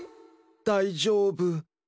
大丈夫。